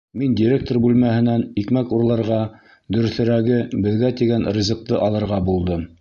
Мин директор бүлмәһенән икмәк урларға, дөрөҫөрәге, беҙгә тигән ризыҡты алырға булдым.